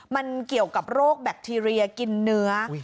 มันเกี่ยวกับโรคแบคทีเรียกินเนื้อ